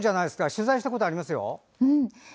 取材したことありますよ。